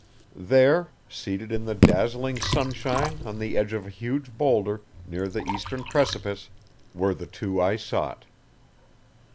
There, seated in the dazzling sunshine on the edge of a huge boulder near the eastern precipice, were the two I sought.